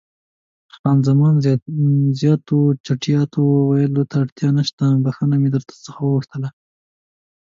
خان زمان: د زیاتو چټیاتو ویلو ته اړتیا نشته، بښنه مې در څخه وغوښتله.